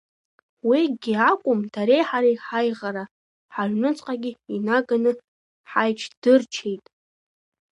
Уигьы акәым, дареи ҳареи ҳаиӷара ҳаҩнуҵҟагьы инаганы ҳаичдырчеит…